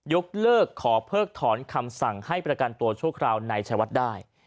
ยกเลิกขอเพิกถอนคำสั่งให้ประกันตัวชั่วคราวในชายวัดได้